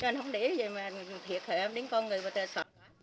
cho nên không để gì mà thiệt thệ đến con người và trẻ sọt